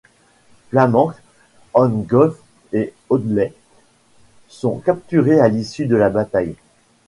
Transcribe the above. Flamank, An Gof et Audley sont capturés à l'issue de la bataille.